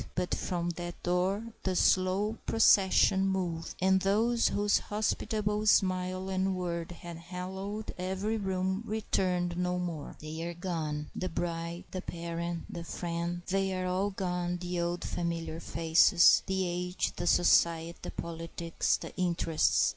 But from that door the slow procession moved, and those whose hospitable smile and word had hallowed every room returned no more. They are gone, the bride, the parent, the friend; "they are all gone, the old familiar faces," the age, the society, the politics, the interests.